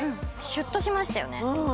シュッとしましたよね